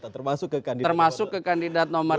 termasuk ke kandidat nomor